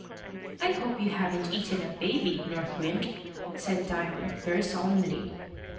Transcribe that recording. "I hope you haven't eaten a baby, North Wind!" said Diamond, very solemnly.